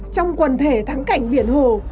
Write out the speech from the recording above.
trong quần thể thắng cảnh biển hồ